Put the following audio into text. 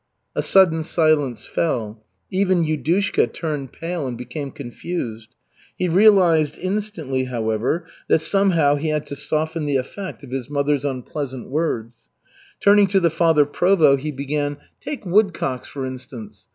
A sudden silence fell. Even Yudushka turned pale and became confused. He realized instantly, however, that somehow he had to soften the effect of his mother's unpleasant words. Turning to the Father Provost, he began: "Take woodcocks for instance.